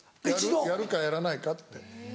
やるかやらないかって。